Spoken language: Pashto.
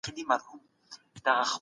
تاسو د خپلو نيکونو ښه نوم او وقار ساته.